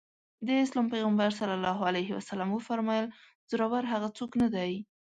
د اسلام پيغمبر ص وفرمايل زورور هغه څوک نه دی.